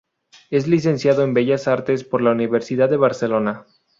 Es licenciado en Bellas Artes por la Universidad de Barcelona.